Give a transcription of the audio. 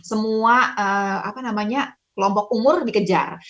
semua kelompok umur dikejar